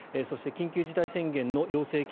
そして緊急事態宣言の要請